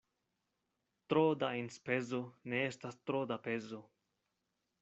Tro da enspezo ne estas tro da pezo.